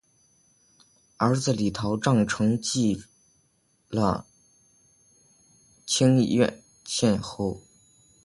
儿子李桃杖承袭了清渊县侯。